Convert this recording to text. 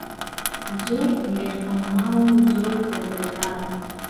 زۆر لێ قهوماو و زۆر دهردهدارم